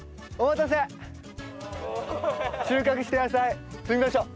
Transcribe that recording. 収穫した野菜積みましょう。